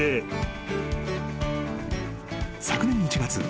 ［昨年１月。